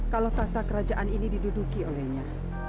kalau tahta kerajaan ini diduduki olehnya